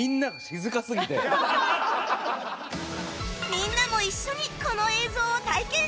みんなも一緒にこの映像を体験してみよう！